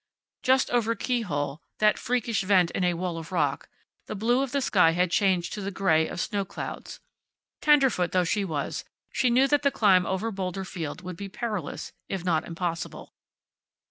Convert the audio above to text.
Just over Keyhole, that freakish vent in a wall of rock, the blue of the sky had changed to the gray of snow clouds. Tenderfoot though she was, she knew that the climb over Boulder Field would be perilous, if not impossible.